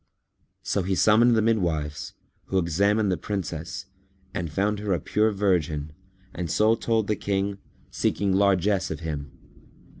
So he summoned the midwives, who examined the Princess and found her a pure virgin and so told the King, seeking largesse of him.